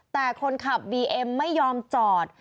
แต่คนขับบีเอ็มไม่ยอมจอด